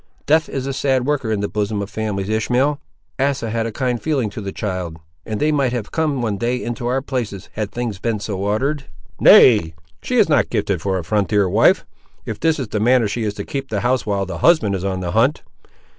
Death is a sad worker in the bosom of families, Ishmael! Asa had a kind feeling to the child, and they might have come one day into our places, had things been so ordered." "Nay, she is not gifted for a frontier wife, if this is the manner she is to keep house while the husband is on the hunt.